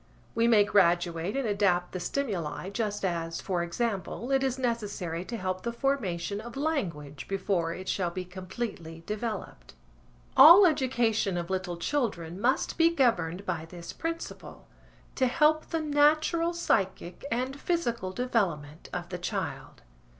We may graduate and adapt the stimuli just as, for example, it is necessary to help the formation of language before it shall be completely developed. All education of little children must be governed by this principle–to help the natural psychic and physical development of the child.